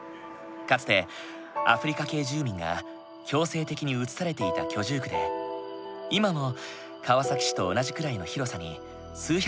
かつてアフリカ系住民が強制的に移されていた居住区で今も川崎市と同じぐらいの広さに数百万人が住んでいる。